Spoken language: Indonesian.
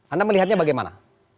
anda melihatnya bagaimana